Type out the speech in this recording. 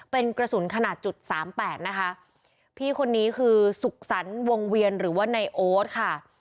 เป็นกระสุนขนาดจุดสามแปดนะคะพี่คนนี้คือสุขสรรค์วงเวียนหรือว่าในโอ๊ตค่ะ